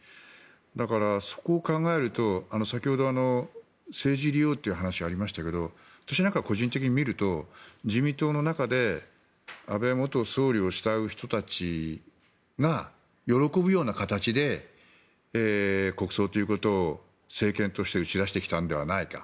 だから、そこを考えると先ほどの政治利用という話がありましたが私なんかは個人的に見ると自民党の中で安倍元総理を慕う人たちが喜ぶような形で国葬ということを政権として打ち出してきたのではないか。